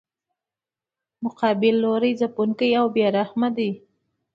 مقابل لوری ځپونکی او بې رحمه دی.